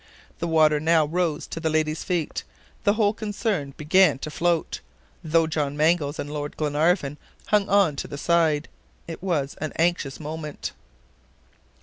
The water now rose to the ladies' feet; the whole concern began to float, though John Mangles and Lord Glenarvan hung on to the side. It was an anxious moment.